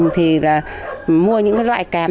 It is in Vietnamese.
thì mua những loại cám